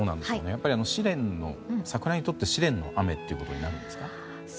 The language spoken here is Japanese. やっぱり、桜にとって試練の雨ということになるんですか？